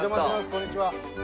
こんにちは。